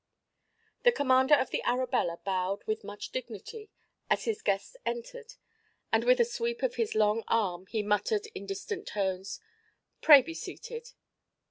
The commander of the Arabella bowed with much dignity as his guests entered and with a sweep of his long arm he muttered in distant tones: "Pray be seated."